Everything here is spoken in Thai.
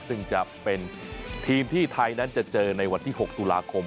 ซึ่งจะเป็นทีมที่ไทยนั้นจะเจอในวันที่๖ตุลาคม